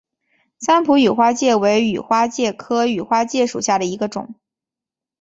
三浦羽花介为尾花介科羽花介属下的一个种。